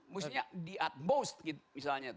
maksudnya di utmost gitu misalnya